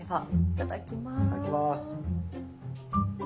いただきます！